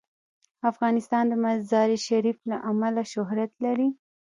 افغانستان د مزارشریف له امله شهرت لري.